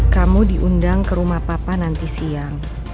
kamu diundang ke rumah papa nanti siang